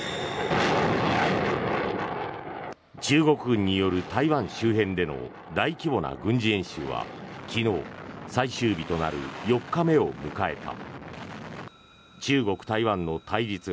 中国軍による台湾周辺での大規模な軍事演習は昨日、最終日となる４日目を迎えた。